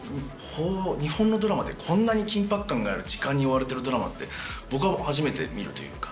日本のドラマでこんなに緊迫感がある時間に追われてるドラマって僕は初めて見るというか。